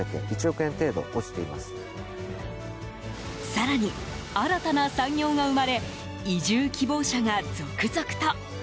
更に、新たな産業が生まれ移住希望者が続々と。